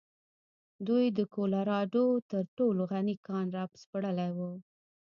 دوی د کولراډو تر ټولو غني کان راسپړلی و.